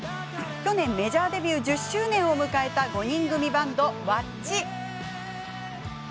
去年メジャーデビュー１０周年を迎えた５人組バンドです。